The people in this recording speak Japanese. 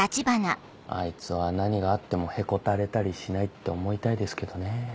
あいつは何があってもへこたれたりしないって思いたいですけどね。